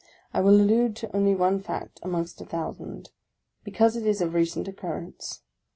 I will allude to only one fact, amongst a thousand, because it is of recent occurrence.